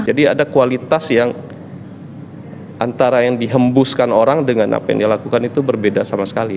jadi ada kualitas yang antara yang dihembuskan orang dengan apa yang dilakukan itu berbeda sama sekali